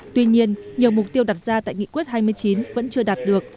tuy nhiên nhiều mục tiêu đặt ra tại nghị quyết hai mươi chín vẫn chưa đạt được